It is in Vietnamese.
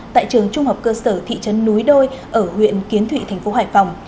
tại trường trung học cơ sở thị trấn núi đôi ở huyện kiến thụy thành phố hải phòng